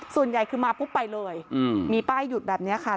ส่วนใหญ่คือมาปุ๊บไปเลยมีป้ายหยุดแบบนี้ค่ะ